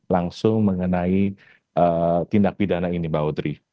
langsung mengenai tindak pidana ini mbak odri